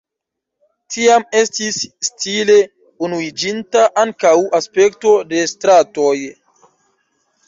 Tiam estis stile unuiĝinta ankaŭ aspekto de stratoj.